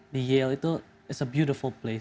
di yale itu itu tempat yang indah